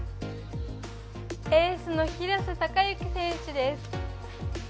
エースの廣瀬隆喜選手です。